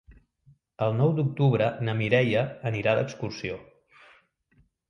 El nou d'octubre na Mireia anirà d'excursió.